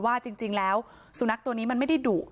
ว่าจริงแล้วสุนัขตัวนี้มันไม่ได้ดุ